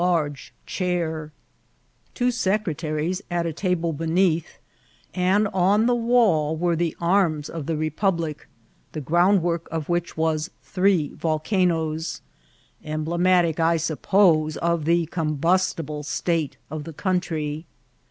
large chair, two aecretaries at a table beneath, and on the wall were the arms of the republic, the groundwork of which was three volcanoes, emblematic, I suppose, of the combustible state of the country.